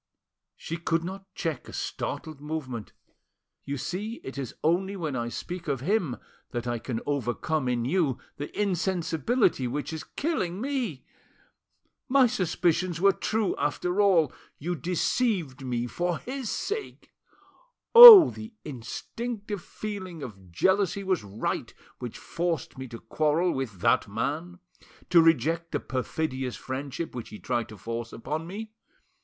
She could not check a startled movement. "You see it is only when I speak of him that I can overcome in you the insensibility which is killing me. My suspicions were true after all: you deceived me for his sake. Oh! the instinctive feeling of jealousy was right which forced me to quarrel with that man, to reject the perfidious friendship which he tried to force upon me.